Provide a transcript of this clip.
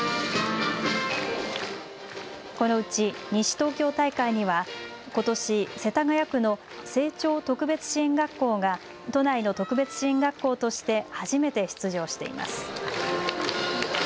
このうち西東京大会にはことし、世田谷区の青鳥特別支援学校が都内の特別支援学校として初めて出場しています。